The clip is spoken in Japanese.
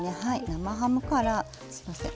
生ハムからすいません